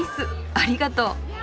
ありがとう。